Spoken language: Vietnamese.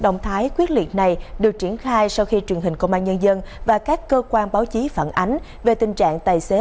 ngay sau khi truyền hình công an nhân dân và các cơ quan báo chí phản ánh về tình trạng tài xế